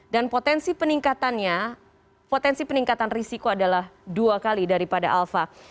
dan potensi peningkatannya potensi peningkatan risiko adalah dua kali daripada alpha